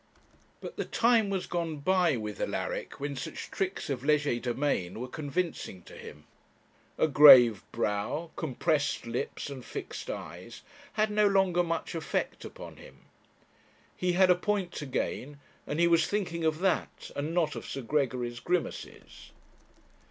But the time was gone by with Alaric when such tricks of legerdemain were convincing to him. A grave brow, compressed lips, and fixed eyes, had no longer much effect upon him. He had a point to gain, and he was thinking of that, and not of Sir Gregory's grimaces.